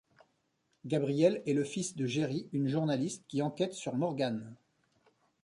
Gabriel est le fils de Jeri, une journaliste qui enquête sur Morgan.